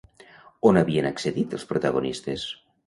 On havien accedit els protagonistes?